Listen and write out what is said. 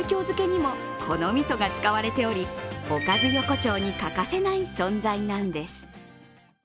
漬けにもこの店が使われておりおかず横丁に欠かせない存在なんです。